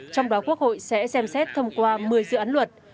trong đó quốc hội sẽ xem xét thông qua một mươi dự án luật